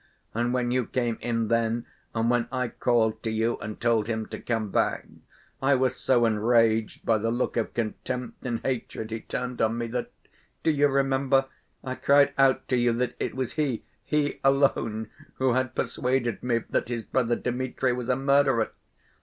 And when you came in then, and when I called to you and told him to come back, I was so enraged by the look of contempt and hatred he turned on me that—do you remember?—I cried out to you that it was he, he alone who had persuaded me that his brother Dmitri was a murderer!